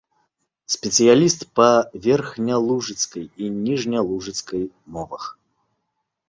Спецыяліст па верхнялужыцкай і ніжнялужыцкай мовах.